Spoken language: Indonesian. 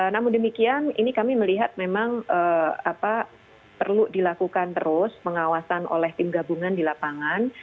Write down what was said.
namun demikian ini kami melihat memang perlu dilakukan terus pengawasan oleh tim gabungan di lapangan